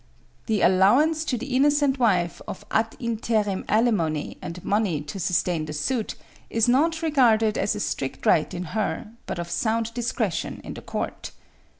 'The allowance to the innocent wife of ad interim alimony and money to sustain the suit, is not regarded as a strict right in her, but of sound discretion in the court.'